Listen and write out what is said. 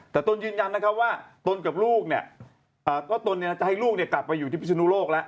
แต่ต้นยืนยันนะครับว่าต้นกับลูกต้นคงต้องให้ลูกกลับไปพิชุนุโลค